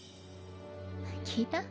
聞いた？